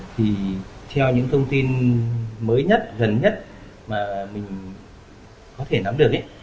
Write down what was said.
thì theo những thông tin mới nhất gần nhất mà mình có thể nắm được ấy